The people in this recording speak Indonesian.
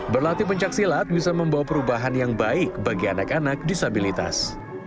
berlatih pencaksilat bisa membawa perubahan yang baik bagi anak anak disabilitas